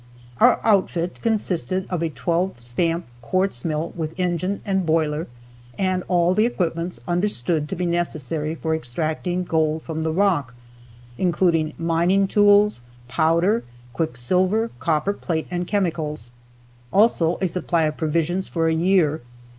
Our outfit consisted of a 12 stamp quartz mill with engine and boiler, and all the equipments understood to be necessary for extracting gold from the rock, including mining tools, powder, quicksilver, copper plate and chemicals; also a supply of provisions for a year.